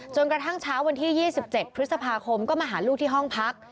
กระทั่งเช้าวันที่๒๗พฤษภาคมก็มาหาลูกที่ห้องพัก